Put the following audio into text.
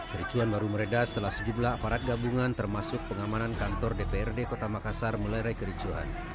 kericuan baru meredah setelah sejumlah aparat gabungan termasuk pengamanan kantor dprd kota makassar melerai kericuhan